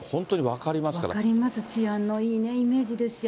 分かります、治安のいいイメージですし。